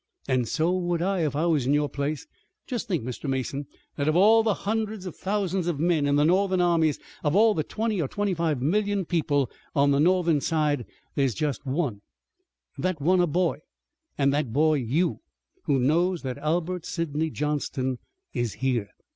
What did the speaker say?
"An' so would I if I was in your place. Just think, Mr. Mason, that of all the hundreds of thousands of men in the Northern armies, of all the twenty or twenty five million people on the Northern side, there's just one, that one a boy, and that boy you, who knows that Albert Sidney Johnston is here."